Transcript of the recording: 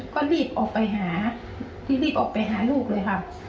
ก็รีบออกไปหารีบออกไปหาลูกเลยค่ะ